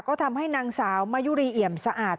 ก็ทำให้นางสาวมายุรีเอี่ยมสะอาด